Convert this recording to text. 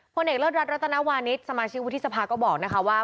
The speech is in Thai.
ผู้เอกเลิศรัฐรัฐนาวาณิชย์สมาชิกวิทธิศภาพก็บอกนะคะว่า